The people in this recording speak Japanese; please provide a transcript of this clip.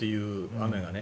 雨がね。